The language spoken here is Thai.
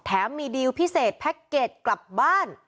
มีดีลพิเศษแพ็คเก็ตกลับบ้าน